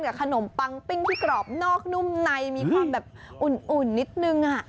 ขนมปังปิ้งที่กรอบนอกนุ่มในมีความแบบอุ่นนิดนึง